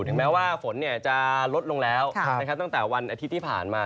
แม้ว่าฝนจะลดลงแล้วตั้งแต่วันอาทิตย์ที่ผ่านมา